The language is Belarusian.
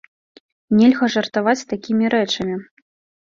Нельга жартаваць з такімі рэчамі.